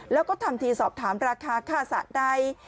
แล้วก็ทำทีสอบถามราคาค่าสระใด